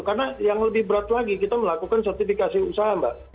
karena yang lebih berat lagi kita melakukan sertifikasi usaha mbak